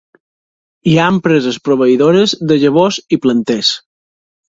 Hi ha empreses proveïdores de llavors i planters.